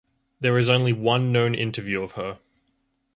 There is only one known interview of her.